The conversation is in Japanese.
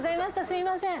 すいません。